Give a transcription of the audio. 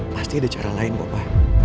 pasti ada cara lain kok pa